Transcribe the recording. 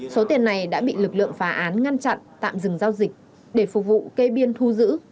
số tiền này đã bị lực lượng phá án ngăn chặn tạm dừng giao dịch để phục vụ cây biên thu giữ